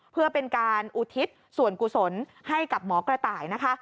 เพื่อเป็นการอุทิศส่วนกุศลให้กับหมอกระต่ายนะคะ